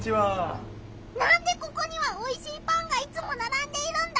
なんでここにはおいしいパンがいつもならんでいるんだ？